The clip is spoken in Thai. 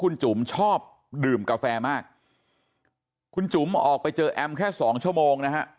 คุณจุ๋มชอบดื่มกาแฟมากคุณจุ๋มออกไปเจอแอมแค่สองชั่วโมงนะฮะ